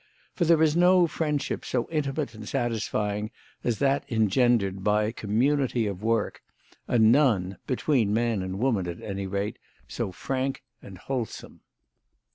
For there is no friendship so intimate and satisfying as that engendered by community of work, and none between man and woman, at any rate so frank and wholesome.